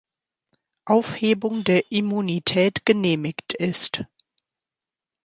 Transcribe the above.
Aufhebung der Immunität genehmigt ist.